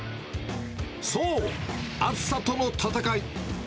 そう、暑さとの闘い。